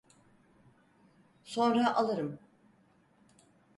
Sonra alırım.